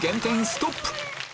ストップ